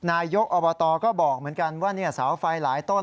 นายกอบตก็บอกเหมือนกันว่าเสาไฟหลายต้น